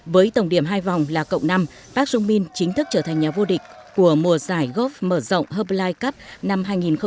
với tổng điểm hai vòng là cộng năm bác trung minh chính thức trở thành nhà vô địch của mùa giải gốc mở rộng herbalife cup năm hai nghìn hai mươi bốn